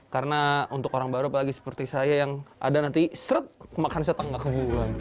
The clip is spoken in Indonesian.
karena untuk orang baru apalagi seperti saya yang ada nanti seret kemakan setengah